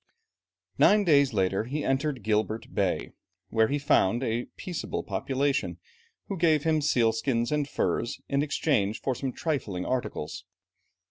Nine days later he entered Gilbert Bay, where he found a peaceable population, who gave him sealskins and furs in exchange for some trifling articles.